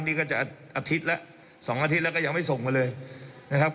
นี่ก็จะอาทิตย์ละ๒อาทิตย์แล้วก็ยังไม่ส่งมาเลยนะครับ